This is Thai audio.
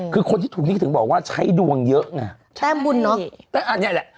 คือคนที่ถูกนี้ถึงบอกว่าใช้ดวงเยอะไงแต้มบุญเนอะแต่อันเนี้ยแหละ